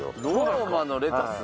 ローマのレタス？